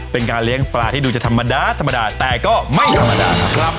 เป็นการเลี้ยงปลาที่ดูจะธรรมดาธรรมดาแต่ก็ไม่ธรรมดานะครับ